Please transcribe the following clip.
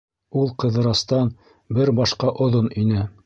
Ул Ҡыҙырастан бер башҡа оҙон ине.